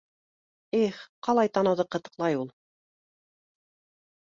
Их, ҡалай танауҙы ҡытыҡлай ул!